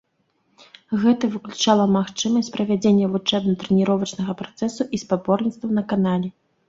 Гэта выключала магчымасць правядзення вучэбна-трэніровачнага працэсу і спаборніцтваў на канале.